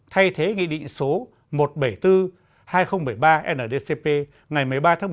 thay thế nghị định số một trăm bảy mươi bốn hai nghìn một mươi ba ndcp ngày một mươi ba một mươi một hai nghìn một mươi ba